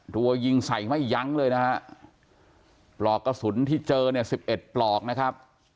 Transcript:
รัวยิงใส่ไม่ยั้งเลยนะฮะปลอกกระสุนที่เจอเนี่ยสิบเอ็ดปลอกนะครับ